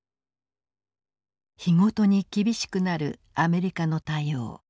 日ごとに厳しくなるアメリカの対応。